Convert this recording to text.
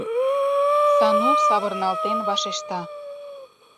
— Сану савырналтен вашешта.